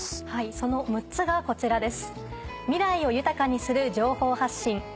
その６つがこちらです。